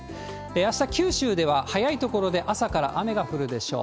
あした、九州では早い所で朝から雨が降るでしょう。